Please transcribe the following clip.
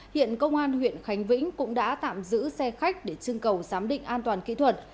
hiện công an huyện khánh vĩnh cũng đã tạm giữ xe khách để chưng cầu giám định an toàn kỹ thuật